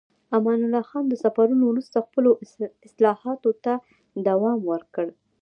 امان الله خان د سفرونو وروسته خپلو اصلاحاتو ته دوام ورکړ.